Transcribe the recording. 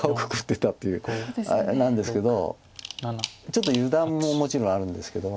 ちょっと油断ももちろんあるんですけども。